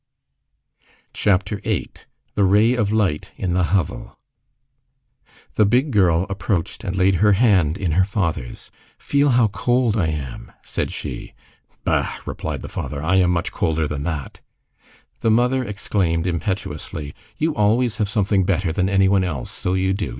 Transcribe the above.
CHAPTER VIII—THE RAY OF LIGHT IN THE HOVEL The big girl approached and laid her hand in her father's. "Feel how cold I am," said she. "Bah!" replied the father, "I am much colder than that." The mother exclaimed impetuously:— "You always have something better than any one else, so you do!